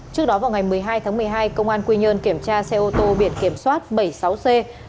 trước đó vào ngày một mươi hai tháng một mươi hai công an quy nhơn kiểm tra xe ô tô biển kiểm soát bảy mươi sáu c tám trăm ba mươi ba